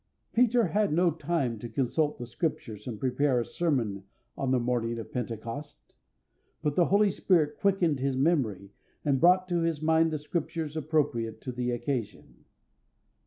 Peter had no time to consult the Scriptures and prepare a sermon on the morning of Pentecost; but the Holy Spirit quickened his memory, and brought to his mind the Scriptures appropriate to the occasion.